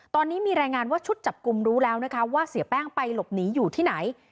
ตอนนี้มีรายงานว่าชุดจับกลุ่มรู้แล้วนะคะว่าเสียแป้งไปหลบหนีอยู่ที่ไหน